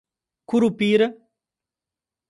Cupira